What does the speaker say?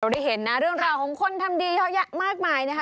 ได้เห็นนะเรื่องราวของคนทำดีเยอะแยะมากมายนะคะ